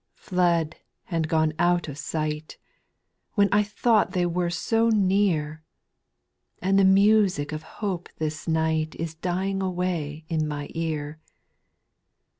/ 2. Fled and gone out of sight, When I thought they were so near, And the music of hope this night Is dying away on my ear.